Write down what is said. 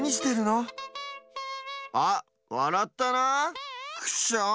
あっわらったなクッショーン！